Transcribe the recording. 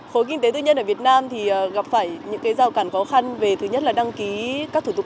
khối kinh tế tư nhân ở việt nam thì gặp phải những rào cản khó khăn về thứ nhất là đăng ký các thủ tục